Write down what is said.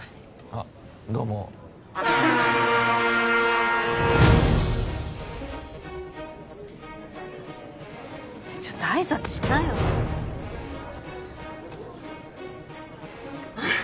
あっどうもちょっと挨拶しなよあっ